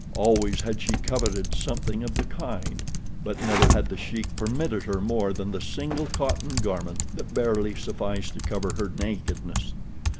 Always had she coveted something of the kind; but never had The Sheik permitted her more than the single cotton garment that barely sufficed to cover her nakedness.